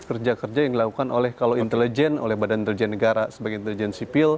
kerja kerja yang dilakukan oleh kalau intelijen oleh badan intelijen negara sebagai intelijen sipil